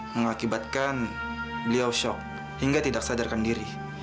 mengakibatkan beliau shock hingga tidak sadarkan diri